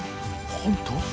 本当？